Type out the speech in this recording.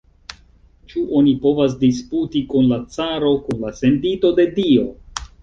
Ĉu oni povas disputi kun la caro, kun la sendito de Dio?